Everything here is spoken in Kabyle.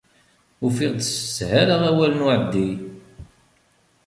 Ufiɣ-d s sshala awal n uεeddi.